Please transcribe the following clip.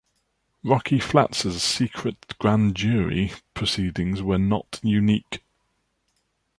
Rocky Flats' secret grand jury proceedings were not unique.